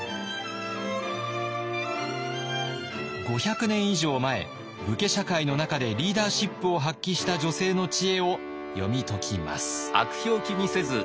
５００年以上前武家社会の中でリーダーシップを発揮した女性の知恵を読み解きます。